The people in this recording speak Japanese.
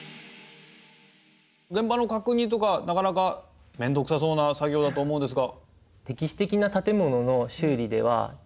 現場の確認とかなかなかめんどくさそうな作業だと思うんですが。